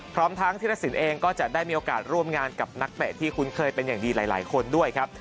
พร้อมทั้งธิรสินเองก็จะได้มีโอกาสร่วมงานกับนักเตะที่คุ้นเคยเป็นอย่างดีหลายคนด้วยครับ